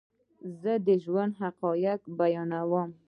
زه دژوند حقایق بیانوم